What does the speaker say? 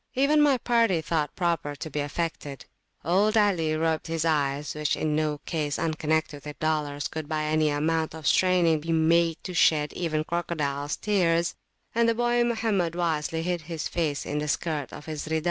Even my party thought proper to be affected: old Ali rubbed his eyes, which in no case unconnected with dollars could by any amount of straining be made to shed even a crocodiles tear; and the boy Mohammed wisely hid his face in the skirt of his Rida.